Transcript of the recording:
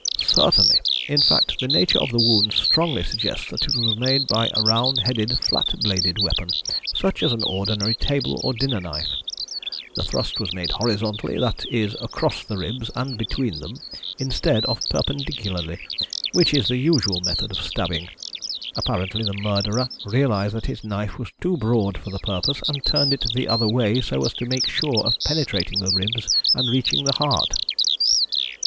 "Certainly. In fact, the nature of the wound strongly suggests that it was made by a round headed, flat bladed weapon, such as an ordinary table or dinner knife. The thrust was made horizontally, that is, across the ribs and between them, instead of perpendicularly, which is the usual method of stabbing. Apparently the murderer realised that his knife was too broad for the purpose, and turned it the other way, so as to make sure of penetrating the ribs and reaching the heart."